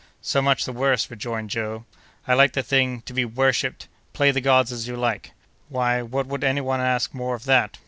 "So much the worse!" rejoined Joe. "I liked the thing—to be worshipped!—Play the god as you like! Why, what would any one ask more than that?